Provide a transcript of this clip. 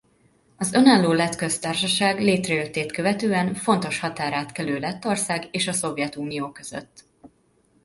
Az önálló Lett Köztársaság létrejöttét követően fontos határátkelő Lettország és a Szovjetunió között.